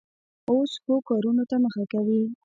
اوس ښو کارونو ته مخه کوي.